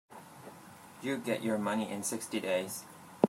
You'll get your money in sixty days.